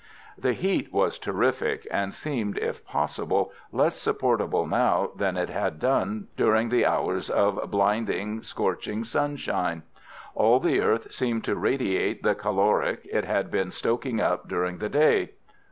The heat was terrific, and seemed, if possible, less supportable now than it had done during the hours of blinding, scorching sunshine. All the earth seemed to radiate the caloric it had been stoking up during the day.